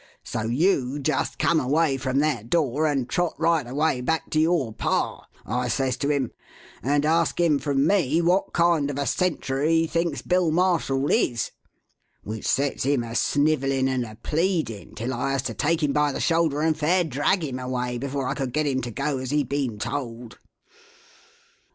So you just come away from that door, and trot right away back to your pa,' I says to him, 'and ask him from me what kind of a sentry he thinks Bill Marshall is.' Which sets him a snivelling and a pleading till I has to take him by the shoulder, and fair drag him away before I could get him to go as he'd been told."